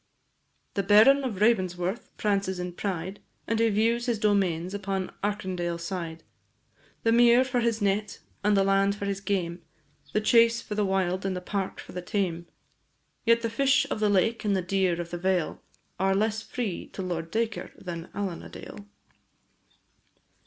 The Baron of Ravensworth prances in pride, And he views his domains upon Arkindale side, The mere for his net, and the land for his game, The chase for the wild, and the park for the tame; Yet the fish of the lake and the deer of the vale Are less free to Lord Dacre than Allen a Dale.